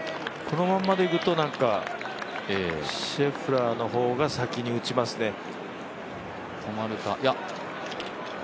このままでいくとシェフラーの方が先に打ちますね。